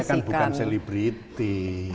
saya kan bukan selebriti